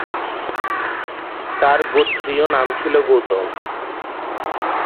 তার গোত্রীয় নাম ছিলো গৌতম।